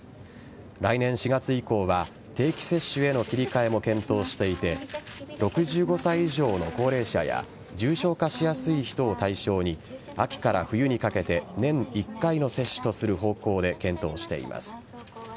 来年４月以降は定期接種への切り替えも検討していて６５歳以上の高齢者や重症化しやすい人を対象に秋から冬にかけて年１回の接種とする方向で検討しています。